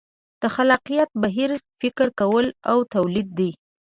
د خلاقیت بهیر فکر کول او تولید دي.